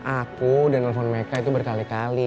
aku udah nelfon mereka itu berkali kali